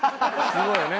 すごいよね。